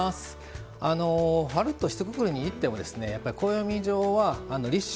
春とひとくくりに言ってもやっぱり暦上は立春。